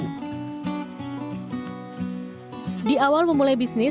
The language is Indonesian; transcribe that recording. di awal memulai bisnis meski telah menerapkan teknik boro dan sashiko